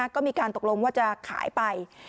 ก็มีการตกลงว่าจะขายไป